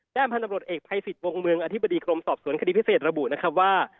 แด้มพันธรรมรถเอกภัยศิษย์วงเมืองอธิบดีกรมสอบสวนคดีพิเศษระบุว่า